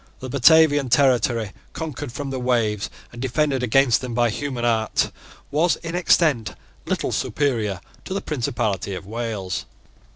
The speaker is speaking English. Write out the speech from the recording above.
The Batavian territory, conquered from the waves and defended against them by human art, was in extent little superior to the principality of Wales.